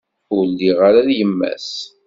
Ur lliɣ ara d yemma-s.